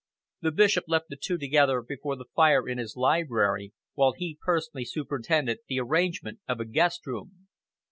The Bishop left the two together before the fire in his library, while he personally superintended the arrangement of a guest room.